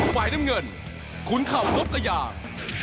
ไฟน้ำเงินขุนเข่าลบกระย่าง